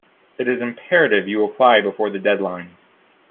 It is imperative you apply before the deadline.